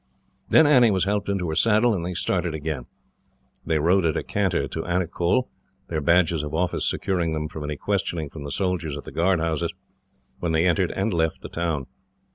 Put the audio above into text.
Then Annie was helped into her saddle, and they started again. They rode at a canter to Anicull, their badges of office securing them from any questioning from the soldiers at the guard houses, when they entered and left the town.